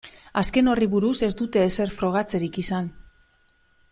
Azken horri buruz ez dute ezer frogatzerik izan.